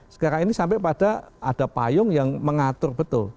sekarang ini sampai pada ada payung yang mengatur betul